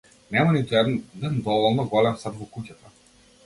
Нема ниту еден доволно голем сад во куќата.